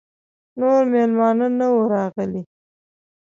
نور مېلمانه نه وه راغلي.